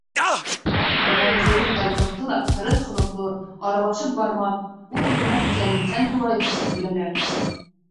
Бына Кирилл Кольцовты ла ҡырыҫ холоҡло, аралашып бармаҫ, үҙ-үҙенә бикләнеүсән юлаевсы тип беләләр.